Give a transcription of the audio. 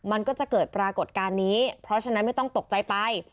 มันก็จะเกิดปรากฏการณ์นี้เพราะฉะนั้นไม่ต้องตกใจไป